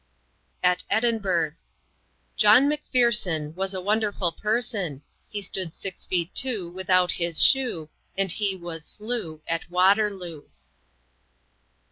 At Edinburgh: "John Mc pherson Was a wonderful person He stood 6 ft 2 without his shoe And he was slew. At Waterloo."